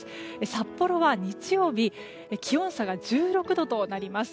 札幌は日曜日気温差が１６度となります。